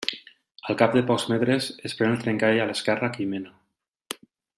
Al cap de pocs metres es pren el trencall a l'esquerra que hi mena.